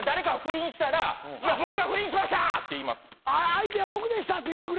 相手は僕でしたって言うてくれんのか。